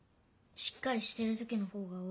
しっかりしてるときの方が多い。